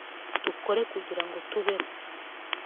Dukore kugirango tubeho